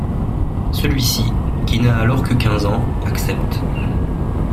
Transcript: Celui-ci, qui n'a alors que quinze ans, accepte.